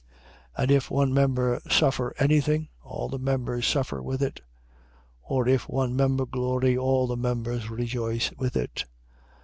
12:26. And if one member suffer any thing, all the members suffer with it: or if one member glory, all the members rejoice with it.